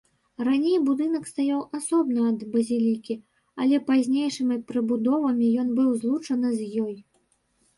Раней будынак стаяў асобна ад базілікі, але пазнейшымі прыбудовамі ён быў злучаны з ёй.